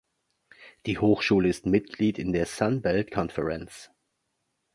Die Hochschule ist Mitglied in der "Sun Belt Conference".